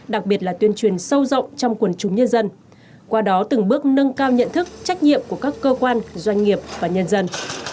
đặc biệt là tuyên truyền sâu rộng trong quần chúng nhân dân qua đó từng bước nâng cao nhận thức trách nhiệm của các cơ quan doanh nghiệp và nhân dân